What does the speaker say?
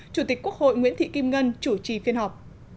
chủ tịch quốc hội nguyễn thị kim ngân chủ trì phiên họp